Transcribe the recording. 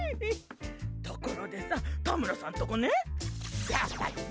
ところでさ、タムラさんとこね。